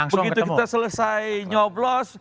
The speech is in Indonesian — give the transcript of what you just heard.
begitu kita selesai nyoblos